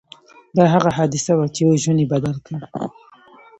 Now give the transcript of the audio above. دا هغه حادثه وه چې يو ژوند يې بدل کړ.